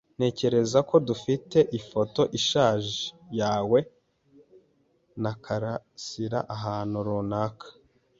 Ntekereza ko dufite ifoto ishaje yawe na Karasiraahantu runaka.